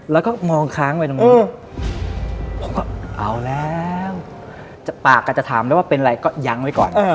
แล้วก็มองค้างไว้ตรงนี้ผมก็เอาแล้วปากอาจจะถามได้ว่าเป็นอะไรก็ยั้งไว้ก่อน